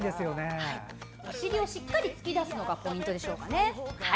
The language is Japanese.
お尻をしっかり突き出すのがポイントでしょうか。